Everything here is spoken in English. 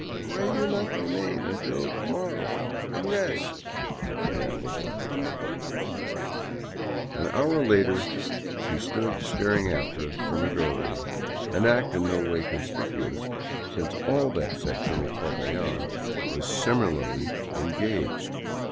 " Why do you not remain until to morrow and rest ?" she rambled on. An hour later she stood staring after us from her doorway, an act in no way conspicuous, since all that section of Popayan was similarly 93 VAGABONDING DOWN THE ANDES engaged.